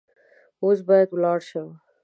اوس باید ولاړ شم .